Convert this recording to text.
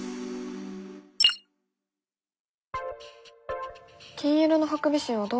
金色のハクビシンはどうなんだろう？